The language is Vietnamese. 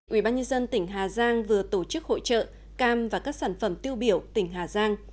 ủy ban nhân dân tỉnh hà giang vừa tổ chức hội trợ cam và các sản phẩm tiêu biểu tỉnh hà giang